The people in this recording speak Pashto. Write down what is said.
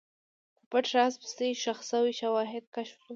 په پټ راز پسې، ښخ شوي شواهد کشف شول.